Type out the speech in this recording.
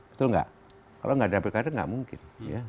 betul nggak kalau di dada pilkada nggak mungkin